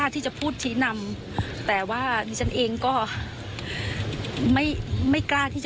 ที่ถูกดำเนินคดี